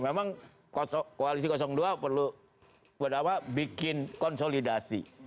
memang koalisi dua perlu bikin konsolidasi